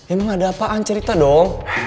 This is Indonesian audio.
emang ada apaan cerita dong